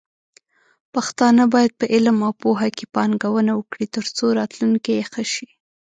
پښتانه بايد په علم او پوهه کې پانګونه وکړي، ترڅو راتلونکې يې ښه شي.